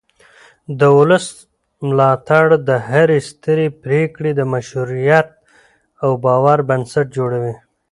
د ولس ملاتړ د هرې سترې پرېکړې د مشروعیت او باور بنسټ جوړوي